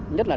nhất là đá